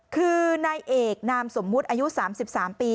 คือนายเอกนามสมมุติอายุ๓๓ปี